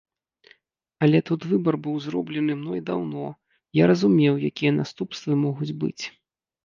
Але тут выбар быў зроблены мной даўно, я разумеў, якія наступствы могуць быць.